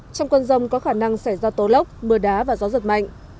trong cơn rông có khả năng xảy ra tố lốc mưa đá và gió giật mạnh